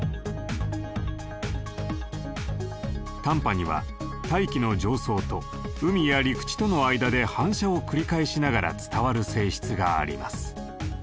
短波には大気の上層と海や陸地との間で反射を繰り返しながら伝わる性質があります。